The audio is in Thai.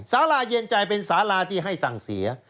สาราเย็นใจเป็นสาราที่ให้สั่งเสีย